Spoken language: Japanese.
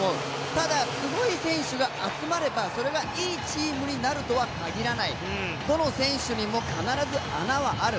ただ、すごい選手が集まればそれがいいチームになるとは限らないどの選手にも必ず穴はある。